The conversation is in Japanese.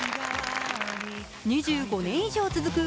２５年以上続く